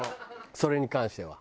それに関しては。